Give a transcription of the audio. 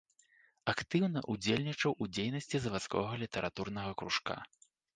Актыўна ўдзельнічаў у дзейнасці завадскога літаратурнага кружка.